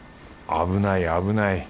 危ない危ない。